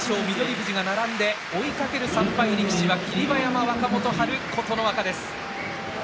富士が並んで追いかける３敗力士は霧馬山、若元春、琴ノ若です。